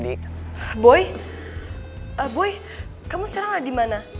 kenapa lo nyampe rumah